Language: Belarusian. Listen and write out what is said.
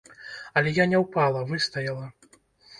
Але я не ўпала, выстаяла!